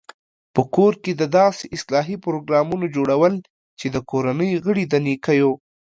په کور کې د داسې اصلاحي پروګرامونو جوړول چې د کورنۍ غړي د نېکو